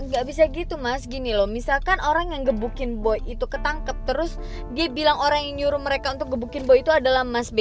gak bisa gitu mas gini loh misalkan orang yang gebukin boy itu ketangkep terus dia bilang orang yang nyuruh mereka untuk gebukin boi itu adalah mas b